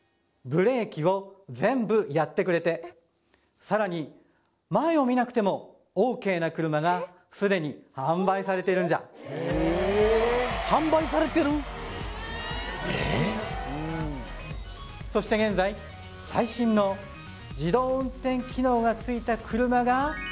ブレーキを全部やってくれてさらに前を見なくてもＯＫな車がすでに販売されているんじゃそして現在最新の自動運転機能がついた車が